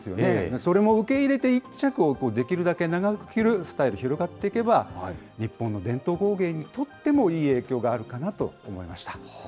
それも受け入れて１着をできるだけ長く着るスタイル、広がっていけば、日本の伝統工芸にとっても、いい影響があるかなと思いました。